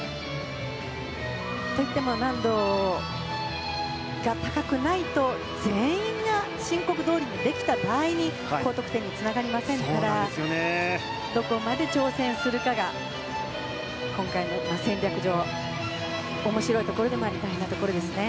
とても難度が高くないと全員が申告どおりにできた場合に高得点につながりませんからどこまで挑戦するかが今回の戦略上面白いところでもあり大変なところですね。